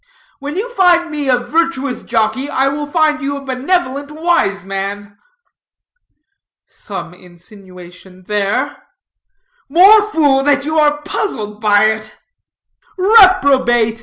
When you find me a virtuous jockey, I will find you a benevolent wise man." "Some insinuation there." "More fool you that are puzzled by it." "Reprobate!"